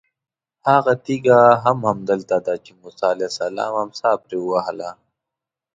هغه تېږه هم همدلته ده چې موسی علیه السلام امسا پرې ووهله.